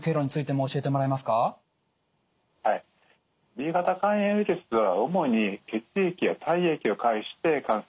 Ｂ型肝炎ウイルスは主に血液や体液を介して感染するんですね。